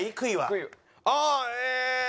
ああえー。